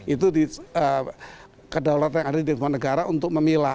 itu kedaulatan yang ada di lingkungan negara untuk memilah